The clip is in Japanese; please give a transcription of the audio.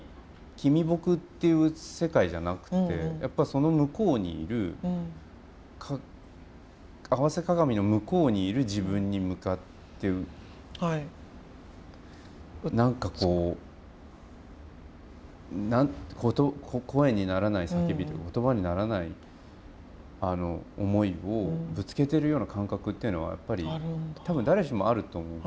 君僕っていう世界じゃなくてその向こうにいる合わせ鏡の向こうにいる自分に向かって何かこう声にならない叫び言葉にならない思いをぶつけてるような感覚っていうのはやっぱり多分誰しもあると思う。